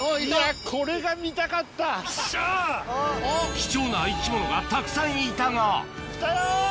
貴重な生き物がたくさんいたがきたよ！